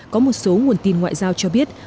có một số nguồn tin ngoại giao cho biết